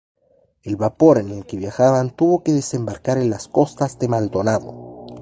El vapor en el que viajaban tuvo que desembarcar en las costas de Maldonado.